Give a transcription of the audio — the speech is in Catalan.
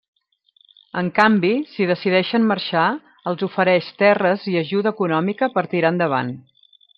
En canvi, si decideixen marxar, els ofereix terres i ajuda econòmica per tirar endavant.